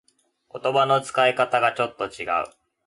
言葉の使い方がちょっと違う